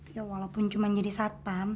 ya walaupun cuma jadi satpam